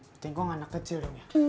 mungkin kok anak kecil